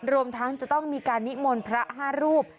รวมทั้งจะต้องมีการนิมนต์พระ๕รูป